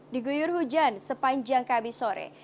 diguyur hujan sepanjang kabisore